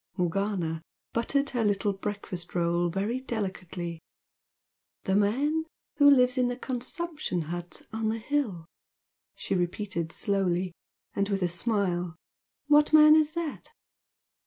Morgana buttered her little breakfast roll very delicately. "The man who lives in the consumption hut on the hill!" she repeated, slowly, and with a smile "What man is that?"